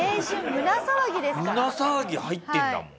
「胸さわぎ」入ってんだもん。